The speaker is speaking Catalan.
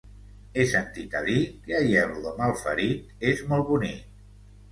He sentit a dir que Aielo de Malferit és molt bonic.